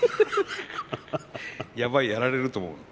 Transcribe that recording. やばいやられると思うの？